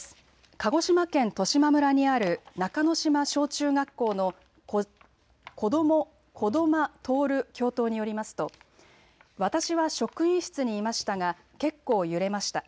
鹿児島県十島村にある中之島小中学校の児玉徹教頭によりますと私は職員室にいましたが結構揺れました。